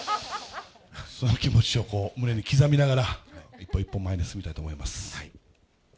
その気持ちを、こう胸に刻みながら、一歩一歩前に進みたいと思います。